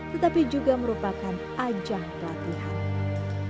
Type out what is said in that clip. tetapi juga merupakan ajang pelatihan